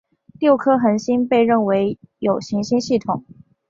六颗恒星被认为有行星系统。